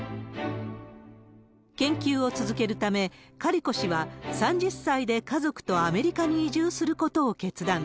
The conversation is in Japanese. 研究を続けるため、カリコ氏は３０歳で家族とアメリカに移住することを決断。